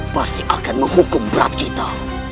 pasti akan menghukum berat kita